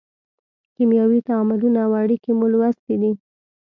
کیمیاوي تعاملونه او اړیکې مو لوستې دي.